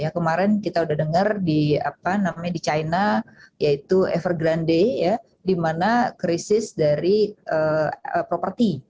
kemarin kita udah dengar di china yaitu evergrande di mana krisis dari properti